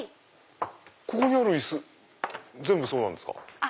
ここにある椅子全部そうなんですか？